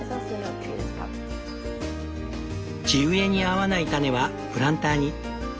地植えに合わない種はプランターに。